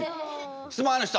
質問ある人。